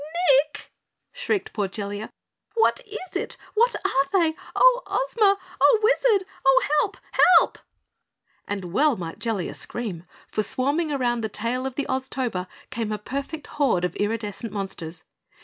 "NICK!" shrieked poor Jellia. "What is it? What are they? Oh, Ozma! Oh, Wizard! Oh, help! HELP!" And well might Jellia scream, for swarming round the tail of the Oztober came a perfect horde of iridescent monsters.